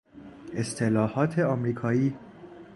اصطلاحات امریکایی